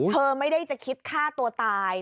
เธอไม่ได้จะคิดฆ่าตัวตาย